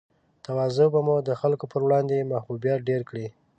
تواضع به مو د خلګو پر وړاندې محبوبیت ډېر کړي